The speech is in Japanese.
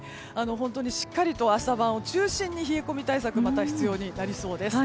本当にしっかりと朝晩を中心に冷え込み対策が必要になりそうです。